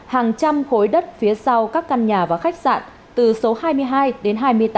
hàng trăm khối đất phía sau các căn nhà và khách sạn từ số hai mươi hai đến hai mươi tám